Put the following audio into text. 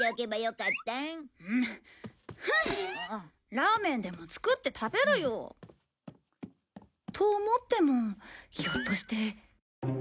ラーメンでも作って食べるよ。と思ってもひょっとして。